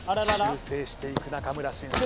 修正していく中村俊輔